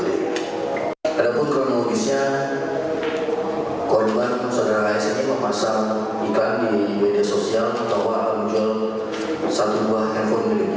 dari sasaran korban tersangka yang merupakan terekam dalam cctv